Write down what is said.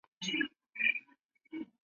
勒布斯屈埃。